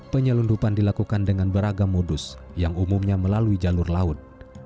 penyelundupan dilakukan dengan beragam modus yang umumnya melalui jalur laut